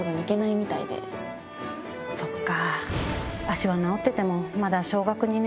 そっか。